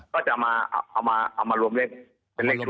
ก็จะเอามาเอามาเอามารวมเล่มเป็นเลขชุด